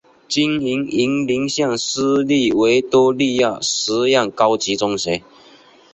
经营云林县私立维多利亚实验高级中学。